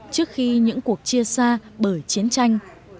trước khi những cuộc chia xa bởi chiến tranh